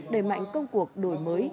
đề mạnh công cuộc đổi mới